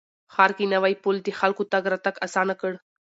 ښار کې نوی پل د خلکو تګ راتګ اسانه کړ